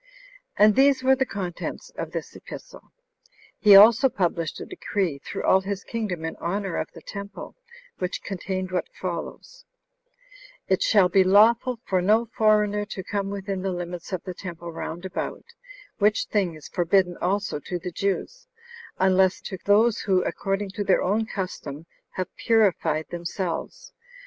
4. And these were the contents of this epistle. He also published a decree through all his kingdom in honor of the temple, which contained what follows: "It shall be lawful for no foreigner to come within the limits of the temple round about; which thing is forbidden also to the Jews, unless to those who, according to their own custom, have purified themselves.